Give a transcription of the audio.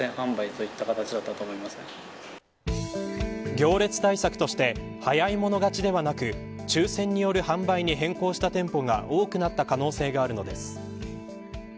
行列対策として早い者勝ちではなく抽選による販売に変更した店舗が多くなった可能性があるのです。